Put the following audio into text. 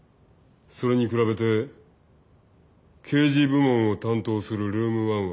それに比べて刑事部門を担当するルーム１は。